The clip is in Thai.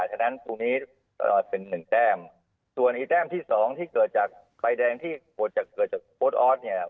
ฉะนั้นตรงนี้เป็น๑แจ้มส่วนอีกแจ้มที่๒ที่เกิดจากใบแดงที่เกิดจากโปรดออสเนี่ย